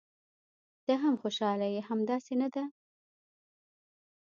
ته هم خوشاله یې، همداسې نه ده؟